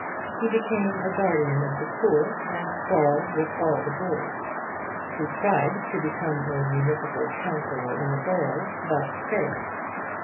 He became a guardian of the poor and quarrelled with all the Board. He tried to become a municipal counsellor in the borough, but failed.